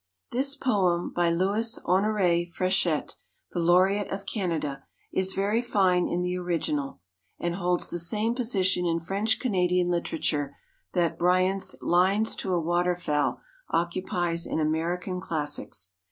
This poem, by Louis Honoré Frechette, the laureate of Canada, is very fine in the original, and holds the same position in French Canadian literature that Bryant's "Lines to a Waterfowl" occupies in American classics.